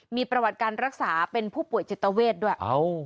มีประวัติการรักษาเป็นผู้ป่วยจิตเวทด้วย